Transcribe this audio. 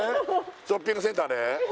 ショッピングセンターで？